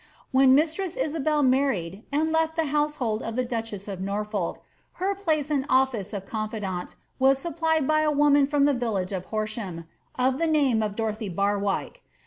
When mistress Isabel married and leA the household of the duchess of Norfolk, her place and office of confidante was supplied by a woman from the village of Horsham, of the name of Dorothy Barwike.